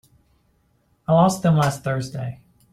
I lost them last Thursday.